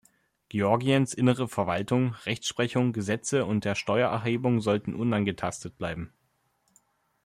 Georgiens innere Verwaltung, Rechtsprechung, Gesetze und der Steuererhebung sollten unangetastet bleiben.